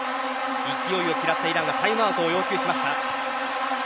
勢いに乗ってイランがタイムアウトを要求しました。